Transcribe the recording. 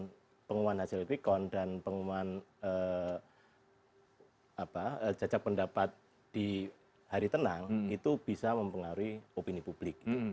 dan pengumuman hasil quick count dan pengumuman jajak pendapat di hari tenang itu bisa mempengaruhi opini publik